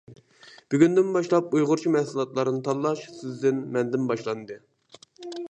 بۈگۈندىن باشلاپ ئۇيغۇرچە مەھسۇلاتلارنى تاللاش سىزدىن، مەندىن باشلاندى.